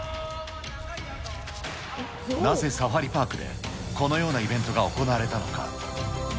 なぜサファリパークで、このようなイベントが行われたのか。